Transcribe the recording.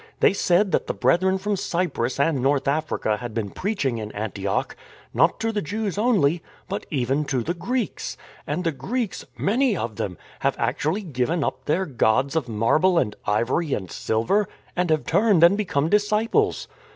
They said that the Brethren from Cyprus and North Africa had been preaching in Antioch, not to the Jews only, but even to the Greeks. And the Greeks — many of them — have actually given up their gods of marble and ivory and silver and have turned and become disciples.